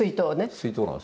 水筒なんですよ。